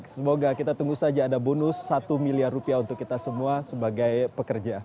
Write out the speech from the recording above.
semoga kita tunggu saja ada bonus satu miliar rupiah untuk kita semua sebagai pekerja